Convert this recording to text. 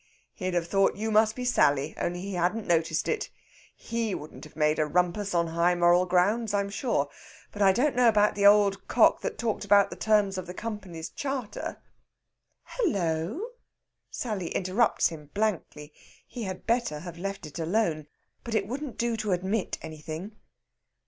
"He'd have thought you must be Sally, only he hadn't noticed it. He wouldn't have made a rumpus on high moral grounds, I'm sure. But I don't know about the old cock that talked about the terms of the Company's charter...." "Hullo!" Sally interrupts him blankly. He had better have let it alone. But it wouldn't do to admit anything.